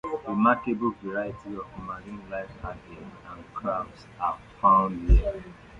Remarkable variety of marine life-algae, and crabs are found here.